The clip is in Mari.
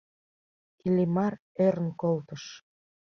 Иллимар ӧрын колтыш.